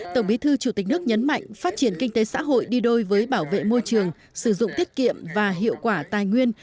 tổng bí thư chủ tịch nước nhấn mạnh phát triển kinh tế xã hội đi đôi với bảo vệ môi trường sử dụng tiết kiệm và hiệu quả tài nguyên